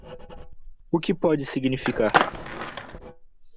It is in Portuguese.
O que pode significar?